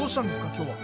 今日は。